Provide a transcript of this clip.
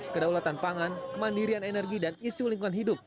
kedaulatan pangan kemandirian energi dan isu lingkungan hidup